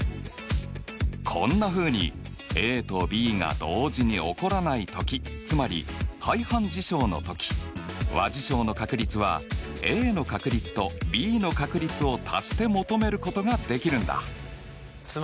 こんなふうにＡとＢが同時に起こらない時つまり排反事象の時和事象の確率はＡの確率とＢの確率を足して求めることができるんだ。